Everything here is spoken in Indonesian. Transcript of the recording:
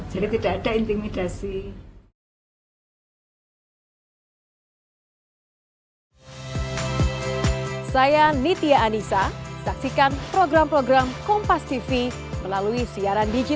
jadi tidak ada intimidasi